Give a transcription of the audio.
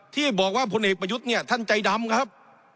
ที่บอกว่าพลเอกประยุทธ์เนี่ยท่านใจดำครับ